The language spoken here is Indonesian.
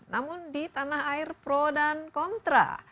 namun di tanah air pro dan kontra